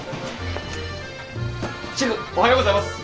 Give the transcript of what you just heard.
シェフおはようございます。